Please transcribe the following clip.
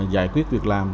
giải quyết việc làm